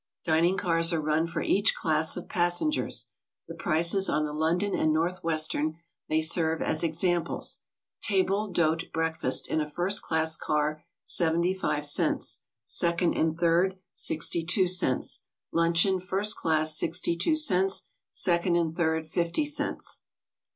Dining cars are run for each class of passengers. The prices on the London & North Western may serve as examples: Table d'hote breakfast in a first class car, 75 cts. ; second and third class, 62 cts. Luncheon, first class, 62 cts.; second and third, 50 cts.